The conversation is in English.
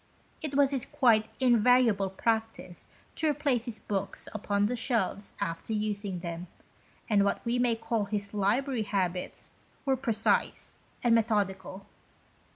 It was his quite invariable practice to replace his books upon the shelves after using them, and what we may call his library habits were precise and methodical.